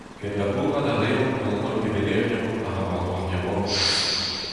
Kenlabourat a reomp gant an holl gevelerien a ra war-dro ar yaouankiz.